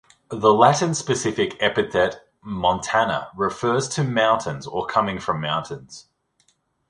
The Latin specific epithet "montana" refers to mountains or coming from mountains.